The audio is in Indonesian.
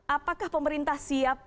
apakah pemerintah siap